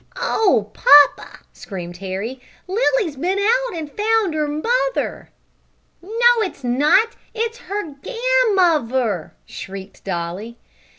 "Oh papa!" screamed Harry, "Lilly's been out an' found her mother!" "No, it's not it's her gan muver," shrieked Dolly.